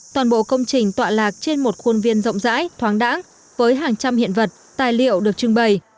toàn bộ công trình tọa lạc trên một khuôn viên rộng rãi thoáng đẳng với hàng trăm hiện vật tài liệu được trưng bày